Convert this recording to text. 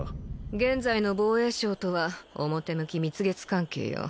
現在の防衛省とは表向き蜜月関係よ